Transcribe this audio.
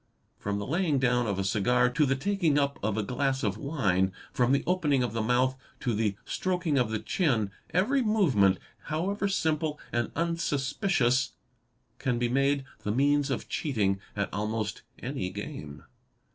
From the laying down of a cigar to the taking up of a glass of wine, from the opening of the mouth to the stroking of the chin, every movement, however simple and unsuspicious, can be made the means of cheating at almost any game.